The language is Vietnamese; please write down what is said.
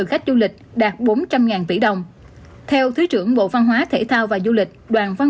khách du lịch đạt bốn trăm linh tỷ đồng theo thứ trưởng bộ văn hóa thể thao và du lịch đoàn văn